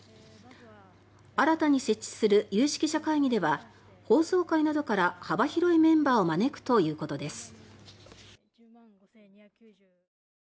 新たに設置する有識者会議では法曹界などから幅広いメンバーを招くということです。